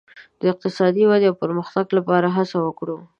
د اقتصادي ودې او پرمختګ لپاره هڅه وکړو.